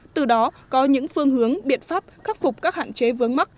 từ đó có những phương hướng biện pháp khắc phục các hạn chế vướng mắc